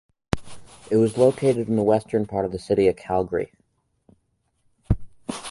It was located in the western part of the City of Calgary.